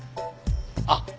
あっ！